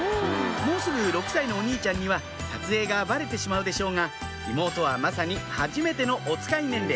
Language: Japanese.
もうすぐ６歳のお兄ちゃんには撮影がバレてしまうでしょうが妹はまさにはじめてのおつかい年齢